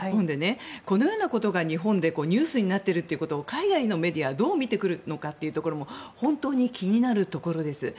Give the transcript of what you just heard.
このようなことが日本でニュースになっているということ海外のメディアはどう見てくるのかというところも本当に気になるところです。